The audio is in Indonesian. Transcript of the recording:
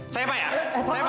saya pak ya saya pak